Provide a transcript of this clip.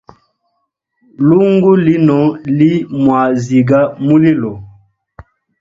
Lungu lino li mwaziga mulilo.